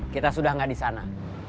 kita sudah tidak di sana